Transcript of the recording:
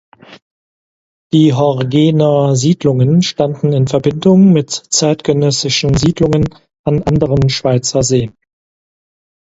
Die Horgener Siedlungen standen in Verbindung mit zeitgenössischen Siedlungen an anderen Schweizer Seen.